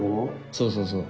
そうそうそう。